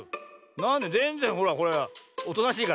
なんでぜんぜんほらこれはおとなしいから。